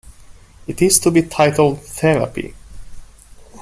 It is to be titled "Therapy".